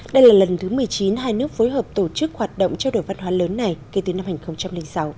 đây là lần thứ một mươi chín hai nước phối hợp tổ chức hoạt động trao đổi văn hóa lớn này kể từ năm hai nghìn sáu